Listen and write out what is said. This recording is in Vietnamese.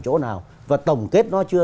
chỗ nào và tổng kết nó chưa